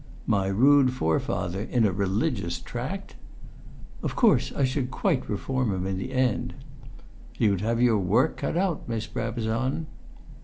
"My rude forefather in a Religious Tract!" "Of course I should quite reform him in the end." "You'd have your work cut out, Miss Brabazon."